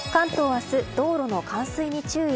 明日、道路の冠水に注意。